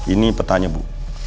ini petanya bu